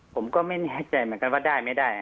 ผมก็ไม่แน่ใจเหมือนกันว่าได้ไม่ได้